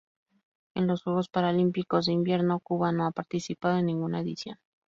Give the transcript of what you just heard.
En los Juegos Paralímpicos de Invierno Cuba no ha participado en ninguna edición.